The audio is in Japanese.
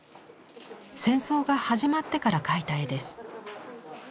戦争が始まってから描いた絵です。